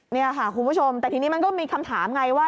นี่ค่ะคุณผู้ชมแต่ทีนี้มันก็มีคำถามไงว่า